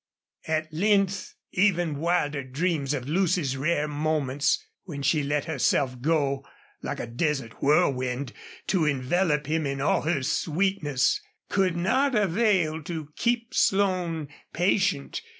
At length even wilder dreams of Lucy's rare moments, when she let herself go, like a desert whirlwind, to envelop him in all her sweetness, could not avail to keep Slone patient.